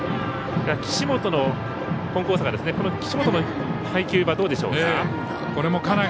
岸本の配球はどうでしょうか。